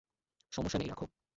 সমস্যা নেই, রাখ।